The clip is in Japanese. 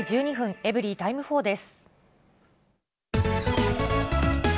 エブリィタイム４です。